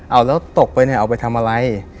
เอาแล้วตกไปเอาไปทำอะไร